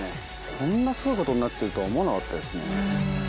こんなすごいことになってるとは思わなかったですね。